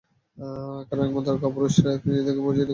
কারণ, একমাত্র কাপুরুষেরাই নিজেদের পরিচয়কে ঢেকে রাখে।